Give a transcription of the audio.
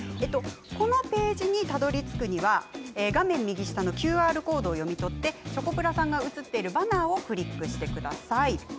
このページにたどり着くには画面右下のＱＲコードを読み取ってチョコプラさんが写っているバナーをクリックしてください。